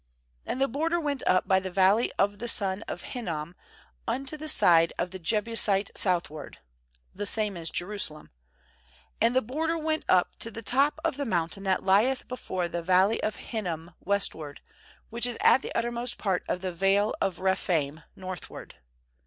8And the border went up by the Valley of the son of Hinnom unto the side of the Jebusite southward — the same is Jerusalem — and the border went up to the top of the mountain that lieth before the Valley of Hinnom westward, which is at the uttermost part of the vale of Rephaim northward.